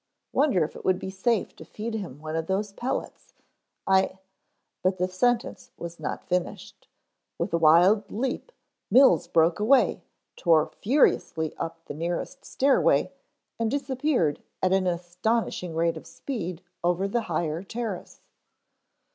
Wonder if it would be safe to feed him one of those pellets I " But the sentence was not finished. With a wild leap, Mills broke away, tore furiously up the nearest stairway and disappeared at an astonishing rate of speed over the higher terrace.